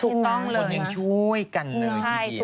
คนยังช่วยกันเลยทีเดียว